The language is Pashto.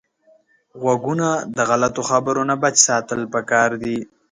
غوږونه د غلطو خبرو نه بچ ساتل پکار دي